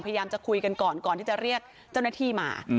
พยายามจะคุยกันก่อนก่อนที่จะเรียกเจ้าหน้าที่มา